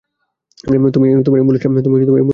তুমি এই অ্যাম্বুলেন্সটা নিয়ে যাও।